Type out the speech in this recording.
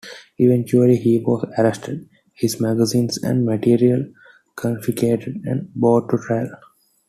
Eventually, he was arrested, his magazines and materials confiscated, and brought to trial.